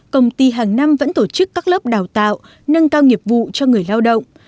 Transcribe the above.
công ty hàng năm vẫn tổ chức các lớp đào tạo nâng cao nghiệp vụ cho người lao động